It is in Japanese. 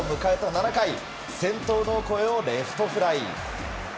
７回先頭のオコエをレフトフライ。